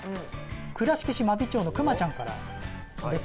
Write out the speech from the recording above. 倉敷市真備町のくまちゃんからです。